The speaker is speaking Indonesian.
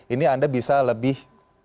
ini anda bisa lebih